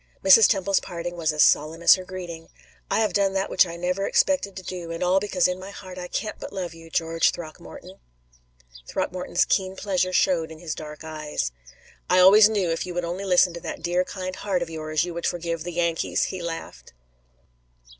Mrs. Temple's parting was as solemn as her greeting: "I have done that which I never expected to do, and all because in my heart I can't but love you, George Throckmorton!" Throckmorton's keen pleasure showed in his dark eyes. "I always knew, if you would only listen to that dear, kind heart of yours, you would forgive the Yankees," he laughed.